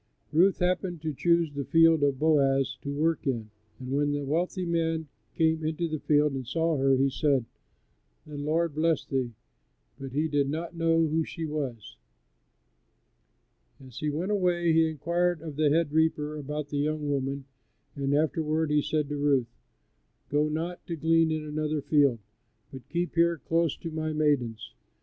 ] Ruth happened to choose the field of Boaz to work in, and when the wealthy man came into the field and saw her, he said, "The Lord bless thee!" but he did not know who she was. As he went away he inquired of the head reaper about the young woman, and afterward he said to Ruth: "Go not to glean in another field, but keep here close to my maidens."